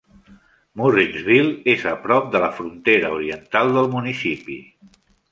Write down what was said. Murrinsville és a prop de la frontera oriental del municipi.